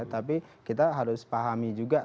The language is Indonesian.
tapi kita harus pahami juga